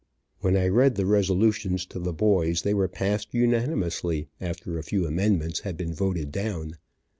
When I read the resolutions to the boys they were passed unanimously, after a few amendments had been voted down.